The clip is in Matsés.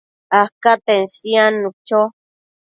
acaten siadnu cho